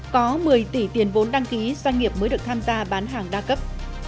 có một mươi tỷ tiền vốn đăng ký doanh nghiệp mới được tham gia bán hàng đa cấp